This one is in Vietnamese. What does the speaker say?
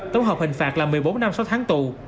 tổng hợp hình phạt là một mươi bốn năm sáu tháng tù